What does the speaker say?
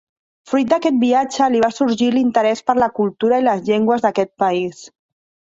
Fruit d'aquest viatge li va sorgir l'interès per la cultura i les llengües d'aquest país.